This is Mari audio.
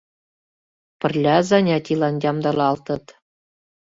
Пырля занятийлан ямдылалтыт.